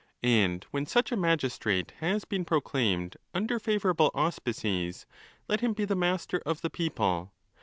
And when such a magistrate has been proclaimed under favourable auspices, let him be the master of the people.